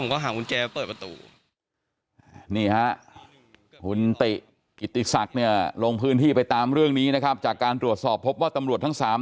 กิติสักรงพื้นที่ไปตามเรื่องนี้นะครับจากการตรวจสอบพบว่าตำรวจทั้งสาม